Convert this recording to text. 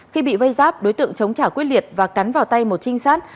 khi bị vây giáp đối tượng chống trả quyết liệt và cắn vào tay một trinh sát